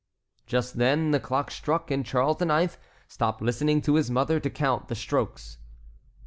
Just then the clock struck and Charles IX. stopped listening to his mother to count the strokes.